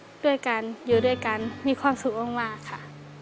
ด้วยกันอยู่ด้วยกันมีความสุขมากค่ะ